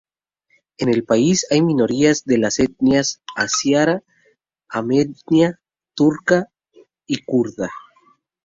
En el país hay minorías de las etnias asiria, armenia, turca y kurda.